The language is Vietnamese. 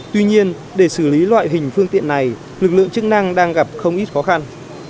tuy nhiên để xử lý loại hình phương tiện này lực lượng chức năng đang gặp không ít khó khăn